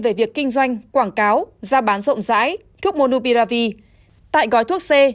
về việc kinh doanh quảng cáo ra bán rộng rãi thuốc monoupiravi tại gói thuốc c